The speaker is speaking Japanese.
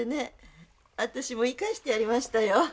私も言い返してやりましたよ。